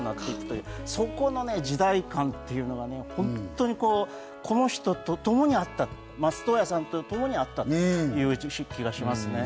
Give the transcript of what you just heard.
そこの時代感というのが本当にこの人とともにあった、松任谷さんとともにあったという気がしますね。